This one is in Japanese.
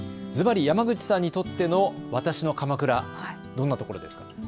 ずばり、山口さんにとってのわたしの鎌倉、どんなところですか。